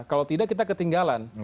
kalau tidak kita ketinggalan